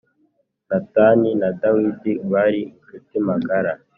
natani na dawidi bari inshuti magara